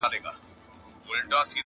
• ورېښمیني څڼي دي شمال وهلې -